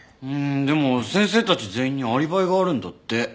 うーんでも先生たち全員にアリバイがあるんだって。